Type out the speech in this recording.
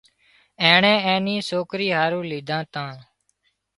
اينڻي اين ني سوڪري هارو ليڌان تان